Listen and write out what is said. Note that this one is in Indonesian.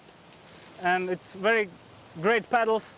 dan mereka adalah